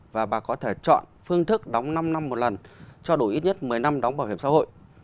và bà có thể chọn phương thức đóng năm năm một lần cho đủ ít nhất một mươi năm đóng bảo hiểm xã hội